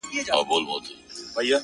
تـا كــړلــه خـــپـــره اشــــنـــــا’